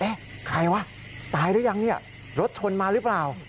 เอ๊ะใครอ่ะตายหรือยังรถทนมาหรือเปล่า